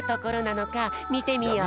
いやみてみよう！